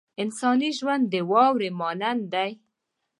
انساني ژوند د واورې مانند دی.